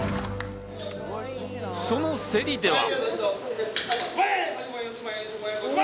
その競りでは。